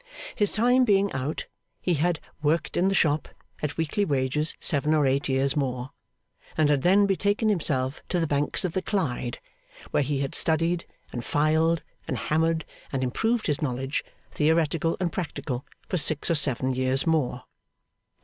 His time being out, he had 'worked in the shop' at weekly wages seven or eight years more; and had then betaken himself to the banks of the Clyde, where he had studied, and filed, and hammered, and improved his knowledge, theoretical and practical, for six or seven years more.